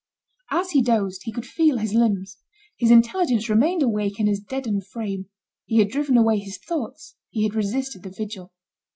As he dozed, he could feel his limbs. His intelligence remained awake in his deadened frame. He had driven away his thoughts, he had resisted the vigil.